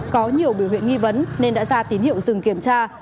có nhiều biểu hiện nghi vấn nên đã ra tín hiệu dừng kiểm tra